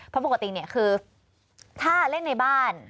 เพราะปกติคือถ้าเล่นในบ้าน